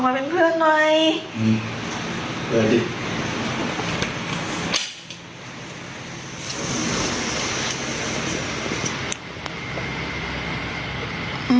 ออกมาเป็นเพื่อนหน่อยอืมเตรียมดิ